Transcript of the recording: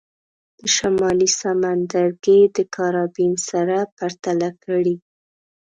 د شمالي سمندرګي د کارابین سره پرتله کړئ.